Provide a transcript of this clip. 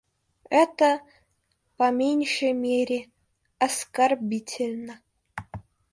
Это, по меньшей мере, оскорбительно.